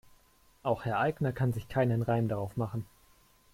Auch Herr Aigner kann sich keinen Reim darauf machen.